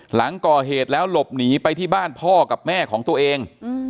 หลังก่อเหตุแล้วหลบหนีไปที่บ้านพ่อกับแม่ของตัวเอง